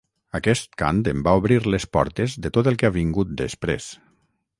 Aquest cant em va obrir les portes de tot el que ha vingut després